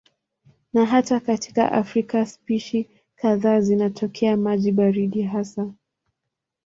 Na hata katika Afrika spishi kadhaa zinatokea maji baridi hasa.